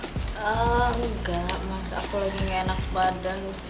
enggak mas aku lagi gak enak badan